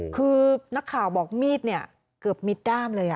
คือนักข่าวบอกมีดเนี่ยเกือบมิดด้ามเลย